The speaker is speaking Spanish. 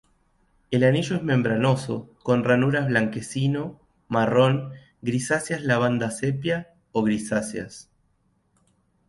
El anillo es membranoso, con ranuras, blanquecino, marrón, grisáceas-lavanda-sepia o grisáceas.